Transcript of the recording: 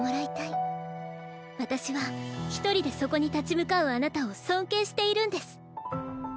私は一人でそこに立ち向かうあなたを尊敬しているんです。